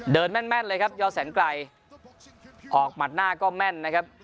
แม่นแม่นเลยครับยอแสนไกลออกหมัดหน้าก็แม่นนะครับ